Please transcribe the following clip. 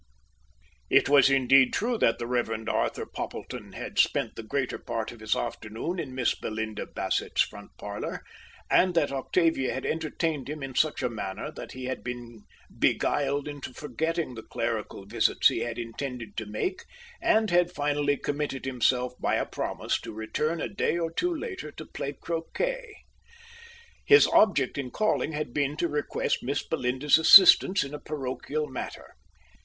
It was indeed true that the Rev. Arthur Poppleton had spent the greater part of his afternoon in Miss Belinda Bassett's front parlor, and that Octavia had entertained him in such a manner that he had been beguiled into forgetting the clerical visits he had intended to make, and had finally committed himself by a promise to return a day or two later to play croquet. His object in calling had been to request Miss Belinda's assistance in a parochial matter.